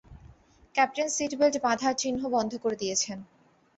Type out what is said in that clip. Captain seat belt বাঁধার চিহ্ন বন্ধ করে দিয়েছেন।